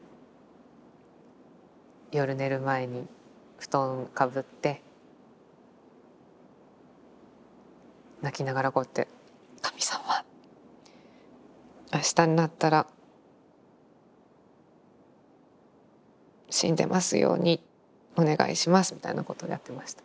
夜寝る前に布団かぶって泣きながらこうやって「神様明日になったら死んでますようにお願いします」みたいなことをやってました。